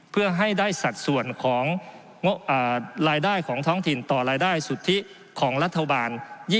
เพื่อให้ได้สัดส่วนของรายได้ของท้องถิ่นต่อรายได้สุทธิของรัฐบาล